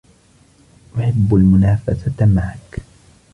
احب المنافسه معك.